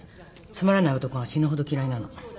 つまらない男が死ぬほど嫌いなの。